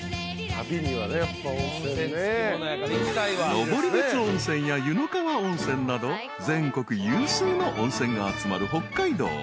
［登別温泉や湯の川温泉など全国有数の温泉が集まる北海道］